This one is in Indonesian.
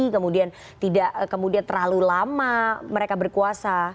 kemudian tidak kemudian terlalu lama mereka berkuasa